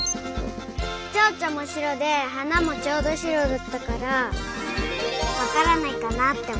チョウチョもしろではなもちょうどしろだったからわからないかなっておもった。